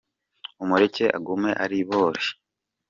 Umureke agumye aribore